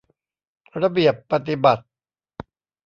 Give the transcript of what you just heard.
ระเบียบปฎิบัติ